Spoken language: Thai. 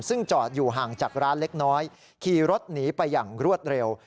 ซึ่งจอดอยู่ห่างจากร้านเล็กน้อยขี่รถหนีไปอย่างรวดเร็ว